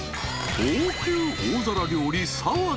［高級大皿料理皿鉢。